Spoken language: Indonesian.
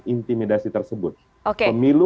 intimidasi tersebut pemilu